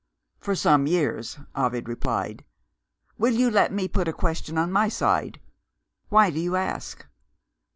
"For some years," Ovid replied. "Will you let me put a question on my side? Why do you ask?"